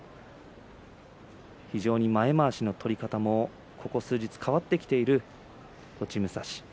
非常に前まわしの取り方もここ数日変わってきている栃武蔵です。